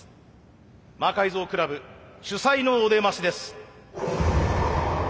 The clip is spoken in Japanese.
魔改造倶楽部主宰のお出ましです。